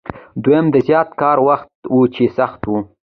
دویم د زیات کار وخت و چې سخت و.